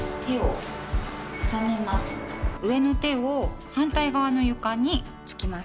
上の手を反対側の床に付きます。